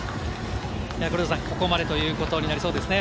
黒田さん、ここまでということになりそうですね。